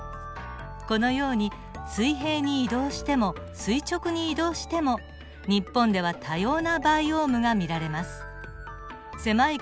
このように水平に移動しても垂直に移動しても日本では多様なバイオームが見られます。